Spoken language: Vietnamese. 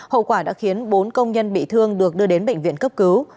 hậu quả đã khiến bốn công nhân bị thương được đưa đến bệnh viện cấp cứu